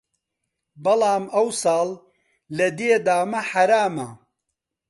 بەڵام ئەو ساڵ لە دێ دامە حەرامە